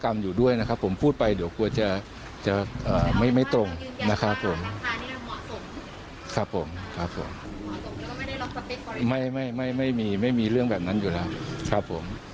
ไม่มีไม่มีเรื่องแบบนั้นอยู่แล้วครับผม